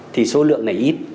thì số lượng này ít